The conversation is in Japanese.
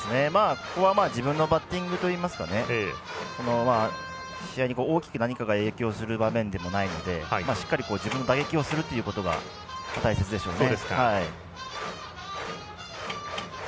ここは自分のバッティングといいますか試合に大きく何かが影響する場面でもないのでしっかり自分の打撃をするということが大切でしょうね。